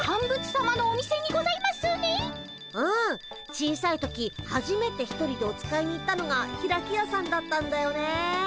小さい時はじめて一人でお使いに行ったのがひらきやさんだったんだよね。